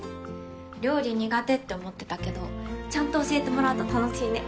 料理苦手って思ってたけどちゃんと教えてもらうと楽しいね。